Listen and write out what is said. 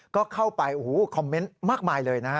ก็เข้าไปโอ้โหคอมเมนต์มากมายเลยนะฮะ